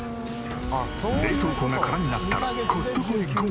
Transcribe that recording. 冷凍庫がカラになったらコストコへゴー。